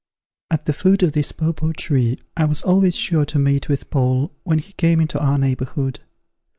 At the foot of this papaw tree I was always sure to meet with Paul when he came into our neighbourhood.